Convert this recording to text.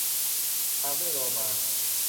ตามด้วยโลมา